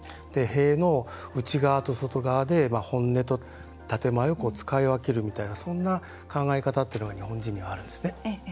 塀の内側と外側で本音と建て前を使い分けるみたいなそんな考え方が日本人にはあるんですね。